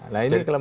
nah ini kelemahan